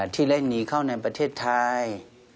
ที่เร่งหนีเข้าในประเทศไทย